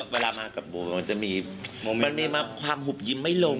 เวลามากับโบมันจะมีความหุบยิ้มไม่ลง